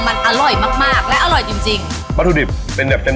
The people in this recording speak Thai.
มันอร่อยมากมากและอร่อยจริงจริงวัตถุดิบเป็นแบบเต็ม